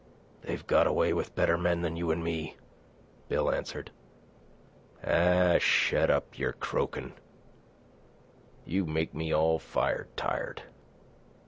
"They've got away with better men than you an' me," Bill answered. "Oh, shet up your croakin'. You make me all fired tired."